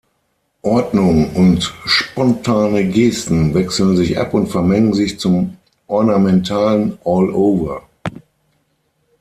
Ordnung und spontane Gesten wechseln sich ab und vermengen sich zum ornamentalen „all-over“.